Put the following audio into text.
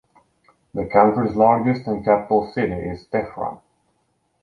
The country's largest and capital city is Tehran.